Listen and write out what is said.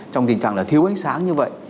trong tình trạng là thiếu ánh sáng như vậy